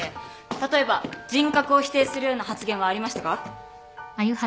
例えば人格を否定するような発言はありましたか？